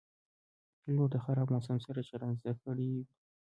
پیلوټ د خراب موسم سره چلند زده کړی وي.